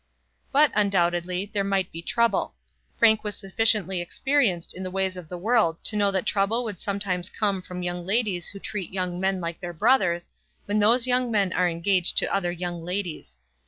But, undoubtedly, there might be trouble. Frank was sufficiently experienced in the ways of the world to know that trouble would sometimes come from young ladies who treat young men like their brothers, when those young men are engaged to other young ladies.